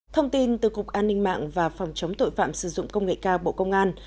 thông tin từ cục an ninh mạng và phòng chống tội phạm sử dụng công nghệ cao bộ công an